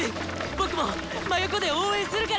僕も真横で応援するから！